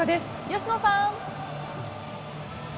吉野さん。